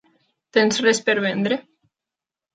Tens res per vendre?